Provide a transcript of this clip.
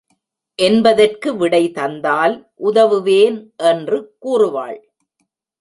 என்பதற்கு விடை தந்தால் உதவுவேன் என்று கூறுவாள்.